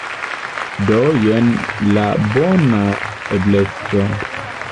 Do jen la bona ebleco!